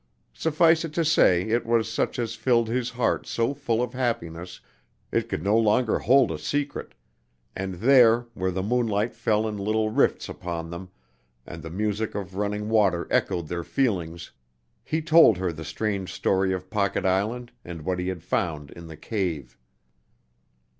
Suffice it to say it was such as filled his heart so full of happiness it could no longer hold a secret, and there, where the moonlight fell in little rifts upon them, and the music of running water echoed their feelings, he told her the strange story of Pocket Island, and what he had found in the cave.